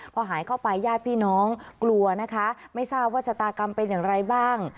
พอหายเข้าไปญาติพี่น้องกลัวนะคะไม่ทราบว่าชะตากรรมเป็นอย่างไรบ้าง